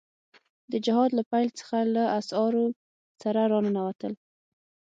د جهاد له پيل څخه له اسعارو سره را ننوتل.